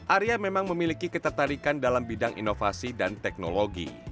arya memang memiliki ketertarikan dalam bidang inovasi dan teknologi